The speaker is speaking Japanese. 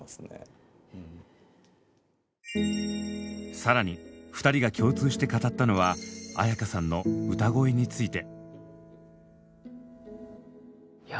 さらに２人が共通して語ったのは絢香さんの歌声について。